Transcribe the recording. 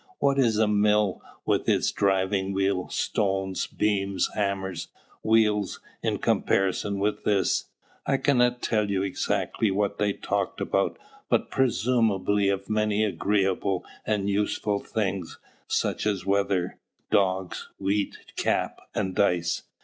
What is a mill with its driving wheel, stones, beams, hammers, wheels, in comparison with this? I cannot tell you exactly what they talked about, but presumably of many agreeable and useful things, such as the weather, dogs, wheat, caps, and dice.